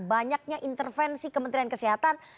banyaknya intervensi kementerian kesehatan